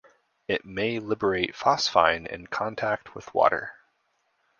It may liberate phosphine in contact with water.